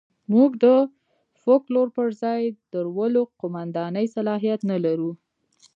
موږ د فوکلور پر ځای درولو قوماندې صلاحیت نه لرو.